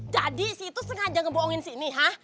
jadi si itu sengaja ngebohongin sini hah